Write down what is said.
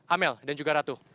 amel dan juga ratu